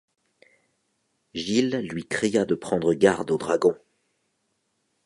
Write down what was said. Gilles lui cria de prendre garde au dragon.